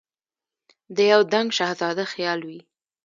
د یو دنګ شهزاده خیال وي